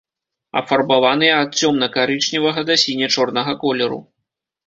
Афарбаваныя ад цёмна-карычневага да сіне-чорнага колеру.